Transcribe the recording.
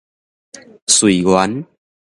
瑞源